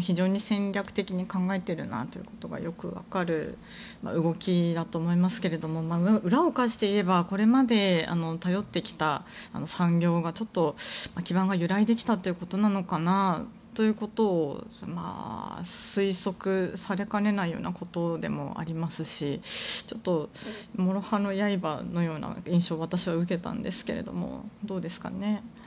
非常に戦略的に考えてるなということがよくわかる動きだと思いますが裏を返して言えばこれまで頼ってきた産業がちょっと基盤が揺らいできたのかなということを推測されかねないようなことでもありますしちょっともろ刃の刃のような印象を私は受けたんですけどどうですかね。